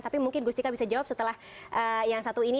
tapi mungkin gustika bisa jawab setelah yang satu ini